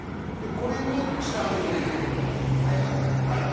これに下味を入れていくことが大事ですね。